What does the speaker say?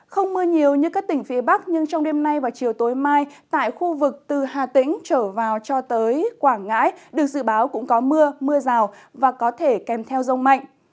không mưa nhiều như các tỉnh phía bắc nhưng trong đêm nay và chiều tối mai tại khu vực từ hà tĩnh trở vào cho tới quảng ngãi được dự báo cũng có mưa mưa rào và có thể kèm theo rông mạnh